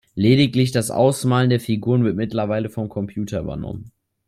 Lediglich das Ausmalen der Figuren wird mittlerweile vom Computer übernommen.